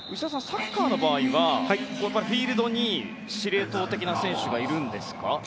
サッカーの場合はフィールドに司令塔的な選手がいるんですか？